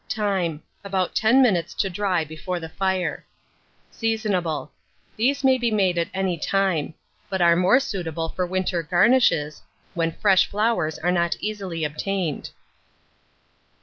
Time. About 10 minutes to dry before the fire. Seasonable. These may be made at any time; but are more suitable for winter garnishes, when fresh flowers are not easily obtained.